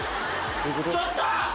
ちょっと！